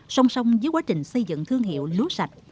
song song với quá trình xây dựng thương hiệu lúa sạch